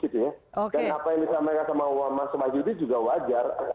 dan apa yang disampaikan sama mas masyudi juga wajar